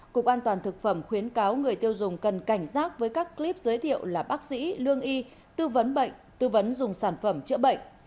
cục an toàn thực phẩm khuyến cáo người tiêu dùng cần cảnh giác với các clip giới thiệu là bác sĩ lương y tư vấn bệnh tư vấn dùng sản phẩm chữa bệnh